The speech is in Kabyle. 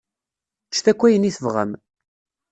Ččet akk ayen i tebɣam.